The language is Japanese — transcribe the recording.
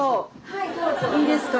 いいですか？